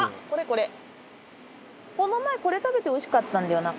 この前これ食べておいしかったんだよな。